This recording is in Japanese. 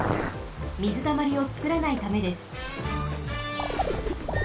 みずたまりをつくらないためです。